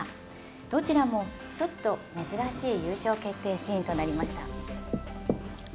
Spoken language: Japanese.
どちらもちょっと珍しい優勝決定シーンとなりました。